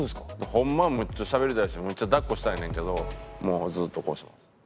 ホンマはむっちゃしゃべりたいしむっちゃ抱っこしたいねんけどもうずっとこうしてます。